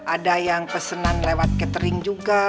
ada yang pesanan lewat catering juga